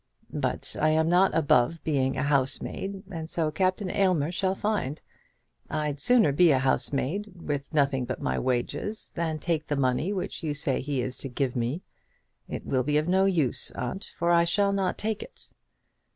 But I am not above being a housemaid, and so Captain Aylmer shall find. I'd sooner be a housemaid, with nothing but my wages, than take the money which you say he is to give me. It will be of no use, aunt, for I shall not take it."